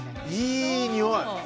いいにおい！